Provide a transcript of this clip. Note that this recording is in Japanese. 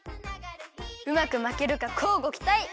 うまくまけるかこうごきたい！